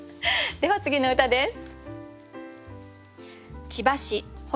では次の歌です。